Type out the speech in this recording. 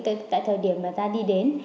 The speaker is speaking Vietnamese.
tại thời điểm mà ta đi đến